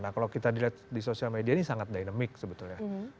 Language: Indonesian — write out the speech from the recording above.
nah kalau kita dilihat di sosial media ini sangat dynamic sebetulnya